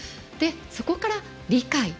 そこから理解。